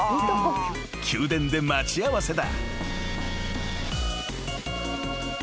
［宮殿で待ち合わせだ］